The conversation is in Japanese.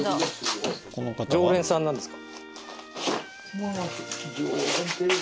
常連さんなんですか？